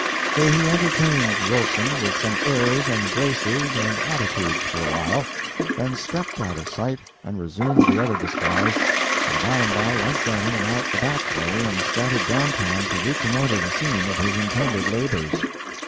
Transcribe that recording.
So he entertained Wilson with some airs and graces and attitudes for a while, then stepped out of sight and resumed the other disguise, and by and by went down and out the back way and started down town to reconnoiter the scene of his intended labors.